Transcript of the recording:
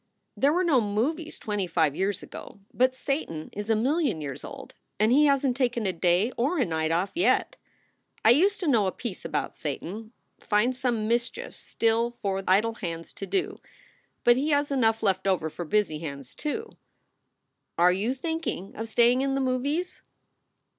There were no movies twenty five years ago, but Satan is a million years old, and he hasn t taken a day or a night off yet. I used to know a piece about Satan finds some mischief still for idle hands to do, but he has enough left over for busy hands, too. Are you thinking of staying in the movies?"